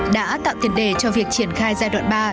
đã tạo tiền đề cho việc triển khai giai đoạn ba